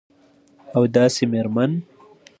او داسي میرمن